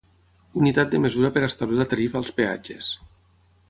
Unitat de mesura per establir la tarifa als peatges.